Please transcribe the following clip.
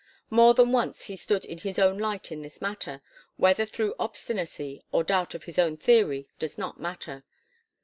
More than once he stood in his own light in this matter whether through obstinacy or doubt of his own theory does not matter.